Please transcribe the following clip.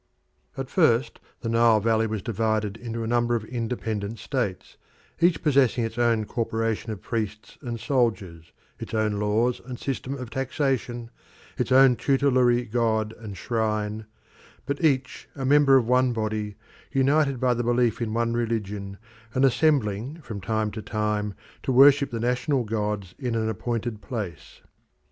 At first the Nile valley was divided into a number of independent states, each possessing its own corporation of priests and soldiers, its own laws and system of taxation, its own tutelary god and shrine, but each a member of one body, united by the belief in one religion, and assembling from time to time to worship the national gods in an appointed place.